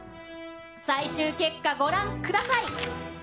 最終結果、ご覧ください。